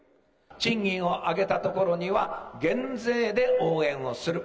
賃金を上げたところには、減税で応援をする。